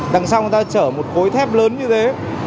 đằng sau người ta chở một cối thép lớn như thế